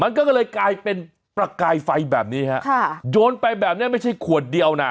มันก็เลยกลายเป็นประกายไฟแบบนี้ฮะค่ะโยนไปแบบนี้ไม่ใช่ขวดเดียวนะ